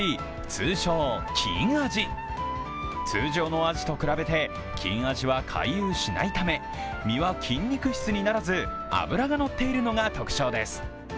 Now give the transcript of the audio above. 通常のアジと比べて金アジは回遊しないため、身は筋肉質にならず脂がのっているのが特徴です。